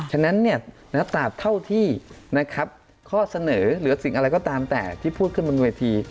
ฉะนั้นตราบเท่าที่นะครับข้อเสนอหรือสิ่งอะไรก็ตามแต่ที่พูดขึ้นบนเวที